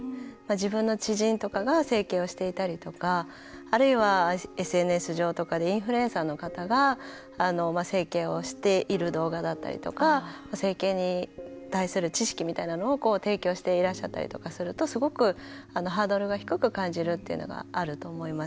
自分の知人とかが整形をしていたりとかあるいはＳＮＳ上とかでインフルエンサーの方が整形をしている動画だったりとか整形に対する知識みたいなのを提供していらっしゃったりとかするとすごくハードルが低く感じるというのがあると思います。